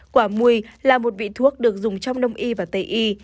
quả mùi là một vị thuốc được dùng trong nông y và tây y